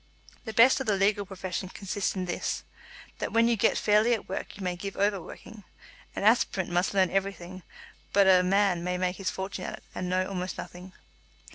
The best of the legal profession consists in this; that when you get fairly at work you may give over working. An aspirant must learn everything; but a man may make his fortune at it, and know almost nothing.